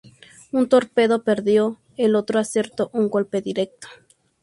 Un torpedo perdido; el otro acertó un golpe directo.